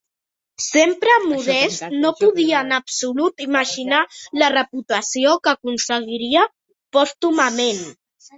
Sempre modest, no podia en absolut imaginar la reputació que aconseguiria pòstumament.